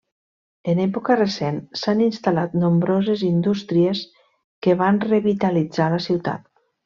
En època recent s'han instal·lat nombroses indústries que van revitalitzar la ciutat.